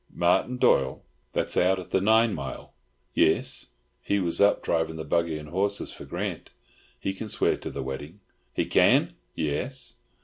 Martin Doyle that's out at the nine mile?" "Yis. He was up driving the buggy and horses for Grant. He can swear to the wedding. "He can." "Yis."